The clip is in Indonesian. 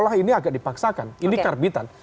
seolah ini agak dipaksakan ili karbitan